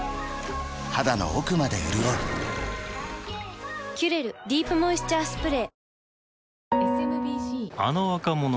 肌の奥まで潤う「キュレルディープモイスチャースプレー」